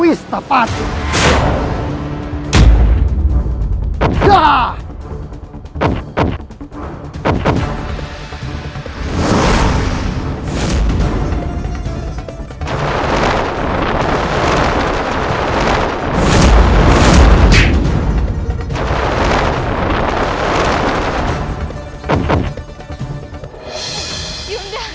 yunda maafkan yunda